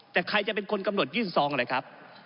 แต่ใครจะเป็นคนกำหนดยื่นซองอะไรครับ